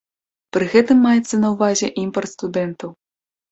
Пры гэтым маецца на ўвазе імпарт студэнтаў.